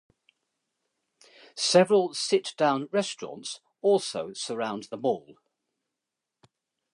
Several sit-down restaurants also surround the mall.